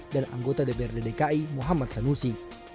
dan anggota dprd dki muhammad sanusi